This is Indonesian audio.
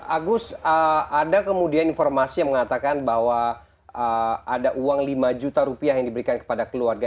agus ada kemudian informasi yang mengatakan bahwa ada uang lima juta rupiah yang diberikan kepada keluarga